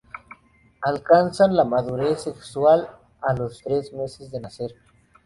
Alcanzan la madurez sexual a los tres meses de nacer.